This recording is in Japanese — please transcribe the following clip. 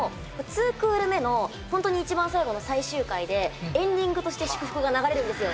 ２クール目の本当に一番最後の、最終回でエンディングとして『祝福』が流れるんですよ。